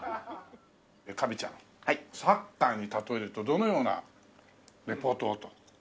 カビちゃんサッカーに例えるとどのようなリポートをと。